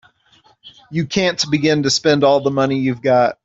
You can't begin to spend all the money you've got.